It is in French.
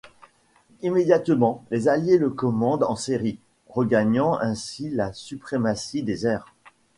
Immédiatement, les alliés le commandent en série, regagnant ainsi la suprématie des airs.